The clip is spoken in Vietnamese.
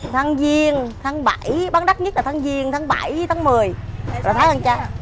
tháng riêng tháng bảy bán đắt nhất là tháng riêng tháng bảy tháng mười là tháng ăn chay